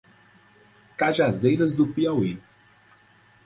Cajazeiras do Piauí